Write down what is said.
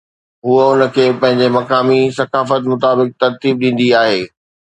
هوءَ ان کي پنهنجي مقامي ثقافت مطابق ترتيب ڏيندي آهي.